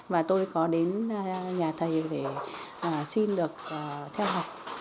và tôi có đến nhà thầy để xin được theo học